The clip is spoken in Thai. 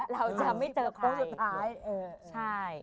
เราจะไม่เจอใคร